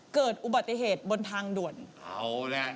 กับพอรู้ดวงชะตาของเขาแล้วนะครับ